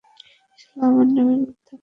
শালা, আমার নামে মিথ্যা কসম কাটতেছিস?